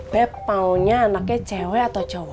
bep maunya anaknya cewek atau cowok